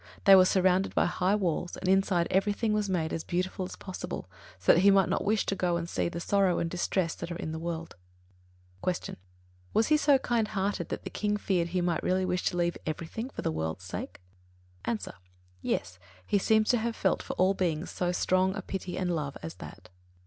They were surrounded by high walls, and inside everything was made as beautiful as possible, so that he might not wish to go and see the sorrow and distress that are in the world. 39. Q. Was he so kind hearted that the King feared he might really wish to leave everything for the world's sake? A. Yes; he seems to have felt for all beings so strong a pity and love as that.